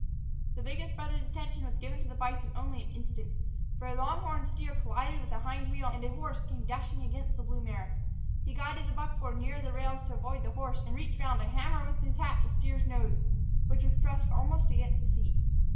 The biggest brother's attention was given to the bison only an instant. For a long horned steer collided with a hind wheel and a horse came dashing against the blue mare. He guided the buckboard nearer the rails to avoid the horse and reached round to hammer with his hat the steer's nose, which was thrust almost against the seat.